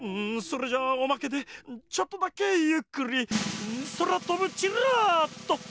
んそれじゃおまけでちょっとだけゆっくりそらとぶチラッと！